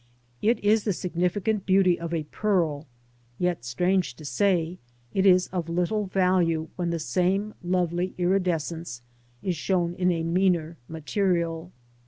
It is the significant beauty of a pearl, yet, strange to say, it is of little value when the same lovely iridescence is shown in a meaner material.